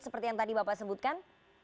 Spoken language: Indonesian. seperti yang tadi bapak sebutkan